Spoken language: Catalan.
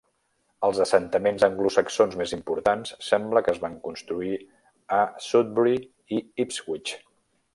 Els assentaments anglosaxons més importants sembla que es van construir a Sudbury i Ipswich.